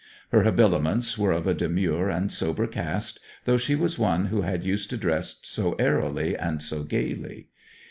Her habiliments were of a demure and sober cast, though she was one who had used to dress so airily and so gaily.